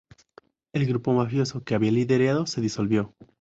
El grupo mafioso que había liderado se disolvió.